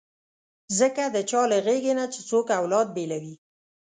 ځکه د چا له غېږې نه چې څوک اولاد بېلوي.